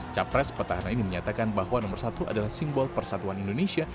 capres petahana ini menyatakan bahwa nomor satu adalah simbol persatuan indonesia